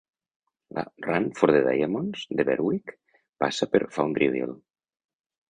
La Run for the Diamonds de Berwick passa per Foundryville.